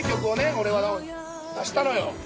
俺は出したのよ。